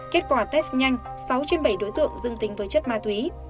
kết quả test nhanh sáu trên bảy đối tượng dương tính với chất ma túy